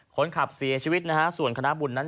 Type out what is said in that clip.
คนขับเสียชีวิตนะฮะส่วนคณะบุญนั้น